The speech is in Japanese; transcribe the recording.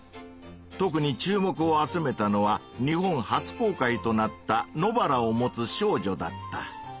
特に注目を集めたのは日本初公開となった「野バラをもつ少女」だった。